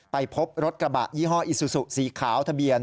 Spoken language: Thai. ไปพบรถกระบะยี่ห้ออิซูซูสีขาวทะเบียน